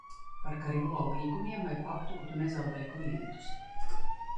Par Karillo līgumiem vai faktu, ka tu nezaudē klientus?